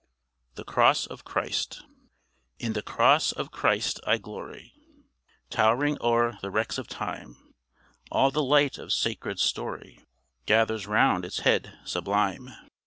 THE CROSS OF CHRIST In the Cross of Christ I glory, Tow'ring o'er the wrecks of time; All the light of sacred story Gathers round its head sublime.